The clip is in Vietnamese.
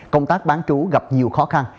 công tác bán trú gặp nhiều khó khăn